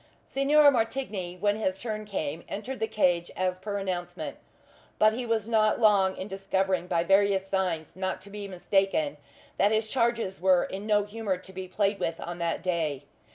Signor Martigny, when his turn came, entered the cage as per announcement; but he was not long in discovering by various signs not to be mistaken that his charges were in no humour to be played with on that day.